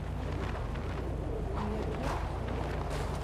Uyuyabiliyor musun?